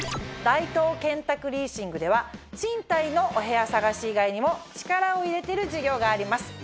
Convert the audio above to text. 大東建託リーシングでは賃貸のお部屋探し以外にも力を入れてる事業があります。